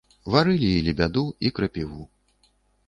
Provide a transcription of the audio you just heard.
Варылі і лебяду, і крапіву.